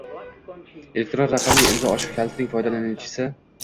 Elektron raqamli imzo ochiq kalitining foydalanuvchisi